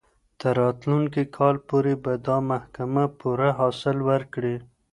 تر راتلونکي کال پورې به دا ځمکه پوره حاصل ورکړي.